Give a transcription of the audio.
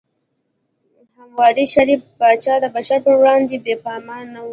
حموربي، شریف پاچا، د بشر په وړاندې بې پامه نه و.